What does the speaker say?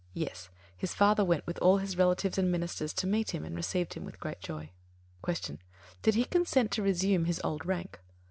Yes. His father went with all his relatives and ministers to meet him and received him with great joy. 87. Q. _Did he consent to resume his old rank?